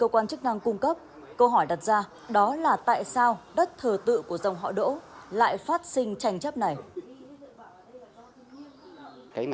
quận bắc tử liêm